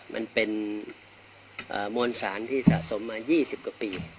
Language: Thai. มันเป็นมวลสารที่สะสมมา๒๐กว่าปี